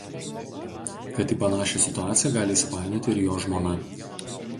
kad į panašią situaciją gali įsipainioti ir jo žmona